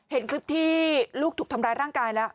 เห็นคลิปที่ลูกถูกทำร้ายร่างกายแล้ว